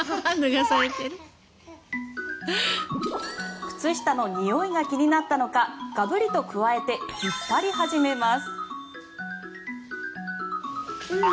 靴下のにおいが気になったのかガブリとくわえて引っ張り始めます。